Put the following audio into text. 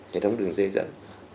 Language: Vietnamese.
cây chạm và đường dây dẫn